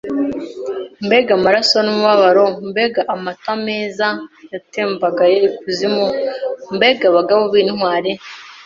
mbega amaraso numubabaro, mbega amato meza yatembagaye ikuzimu, mbega bagabo b'intwari